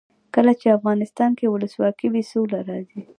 کله چې افغانستان کې ولسواکي وي سوله راځي.